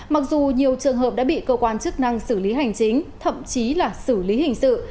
mặc dù nhiều trường hợp đã bị cơ quan chức năng xử lý hành chính thậm chí là xử lý hình sự